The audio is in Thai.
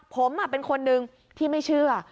ผมเป็นคนหนึ่งที่ไม่เชื่อ